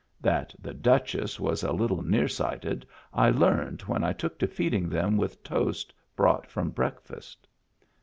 That the Duchess was a little near sighted I learned when I took to feeding them with toast brought from breakfast.